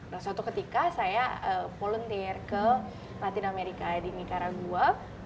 nah suatu ketika saya volunteer ke latin amerika di nicaragua